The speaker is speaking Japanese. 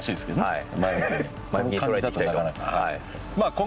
はい。